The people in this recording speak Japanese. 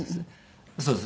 そうです。